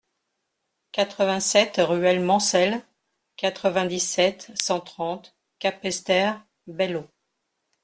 quatre-vingt-sept ruelle Mancel, quatre-vingt-dix-sept, cent trente, Capesterre-Belle-Eau